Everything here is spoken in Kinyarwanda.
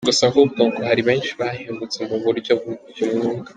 Si ibi gusa ahubwo ngo hari benshi bahembutse mu buryo bw’Umwuka.